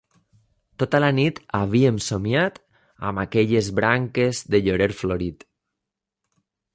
Tota la nit havíem somniat amb aquelles branques de llorer florit.